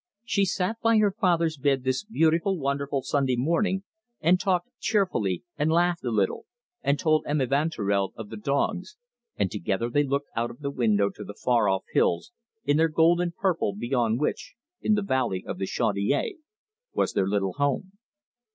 She sat by her father's bed this beautiful, wonderful Sunday afternoon, and talked cheerfully, and laughed a little, and told M. Evanturel of the dogs, and together they looked out of the window to the far off hills, in their golden purple, beyond which, in the valley of the Chaudiere, was their little home.